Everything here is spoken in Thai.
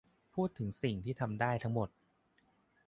พูดถึงสิ่งที่ทำได้ทั้งหมด